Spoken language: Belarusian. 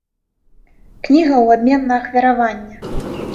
Кніга ў абмен на ахвяраванне!